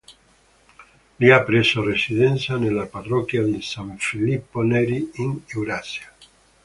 Lì ha preso residenza nella parrocchia di San Filippo Neri in Eurosia.